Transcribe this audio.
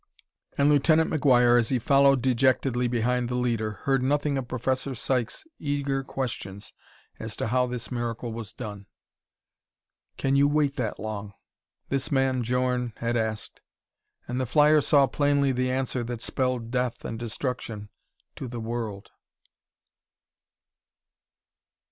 And Lieutenant McGuire, as he followed dejectedly behind the leader, heard nothing of Professor Sykes' eager questions as to how this miracle was done. "Can you wait that long?" this man, Djorn, had asked. And the flyer saw plainly the answer that spelled death and destruction to the world.